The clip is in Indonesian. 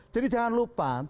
jadi jangan lupa